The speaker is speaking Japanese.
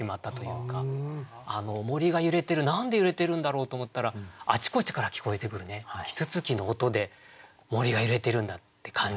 森が揺れてる何で揺れてるんだろうと思ったらあちこちから聞こえてくる啄木鳥の音で森が揺れてるんだって感じたっていう。